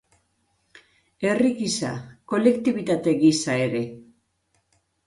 Herri gisa, kolektibitate gisa ere.